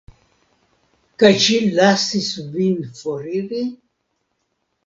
Kaj ŝi lasis vin foriri?